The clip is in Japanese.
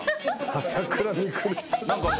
朝倉未来や。